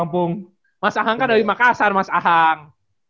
mas ahang kan dari makassar mas ahang